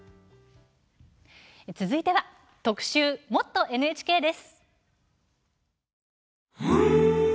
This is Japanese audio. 続いては特集「もっと ＮＨＫ」です。